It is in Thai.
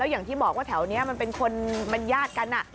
แล้วอย่างที่บอกว่าแถวเนี้ยมันเป็นคนมันญาติกันน่ะอ๋อ